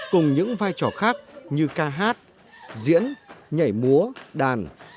cùng những vai trò khác như ca hát diễn nhảy múa đàn